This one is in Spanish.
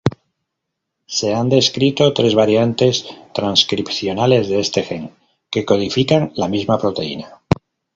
Se han descrito tres variantes transcripcionales de este gen, que codifican la misma proteína.